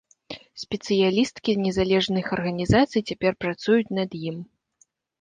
Спецыялісткі незалежных арганізацый цяпер працуюць над ім.